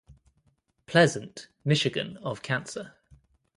Pleasant, Michigan of cancer.